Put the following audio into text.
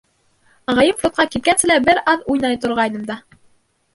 Ағайым фронтҡа киткәнсе лә бер аҙ уйнай торғайным да.